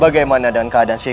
bagaimana dengan keadaan jadil